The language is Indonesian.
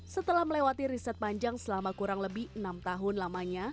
setelah melewati riset panjang selama kurang lebih enam tahun lamanya